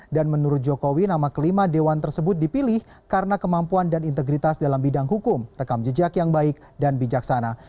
dan menurut jokowi nama kelima dewan tersebut dipilih karena kemampuan dan integritas dalam bidang hukum rekam jejak yang baik dan bijaksana